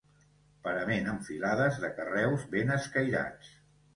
Parament amb filades de carreus ben escairats.